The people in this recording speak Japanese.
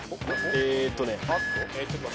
えっとね。